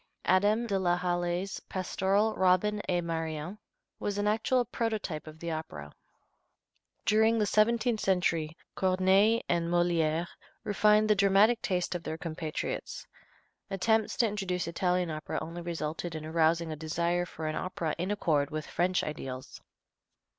Adam de la Hallé's pastoral, "Robin et Marion," was an actual prototype of the opera. During the seventeenth century Corneille and Molière refined the dramatic taste of their compatriots. Attempts to introduce Italian opera only resulted in arousing a desire for an opera in accord with French ideals.